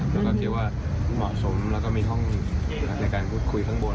แล้วก็คิดว่าเหมาะสมแล้วก็มีห้องในการพูดคุยข้างบน